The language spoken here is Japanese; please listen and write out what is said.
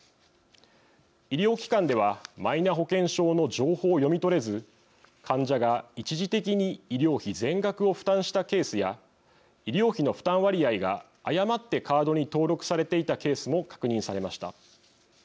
医療機関ではマイナ保険証の情報を読み取れず患者が一時的に医療費全額を負担したケースや医療費の負担割合が誤ってカードに登録されていたケースも確認されました。